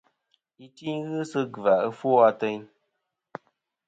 Iti ghɨ sɨ gvà ɨfwo ateyn.